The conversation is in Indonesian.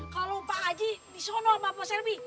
kalau pak aji disana sama pak selby